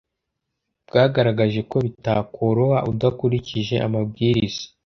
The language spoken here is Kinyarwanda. bwagaragaje ko bitakoroha udakurikije amabwiriza